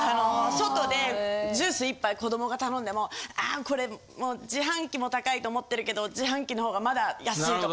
外でジュース１杯子どもが頼んでもあこれ自販機も高いと思ってるけど自販機の方がまだ安いとか。